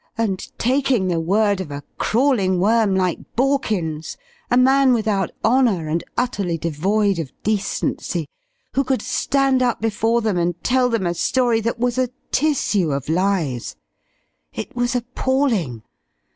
And taking the word of a crawling worm like Borkins, a man without honour and utterly devoid of decency, who could stand up before them and tell them a story that was a tissue of lies. It was appalling!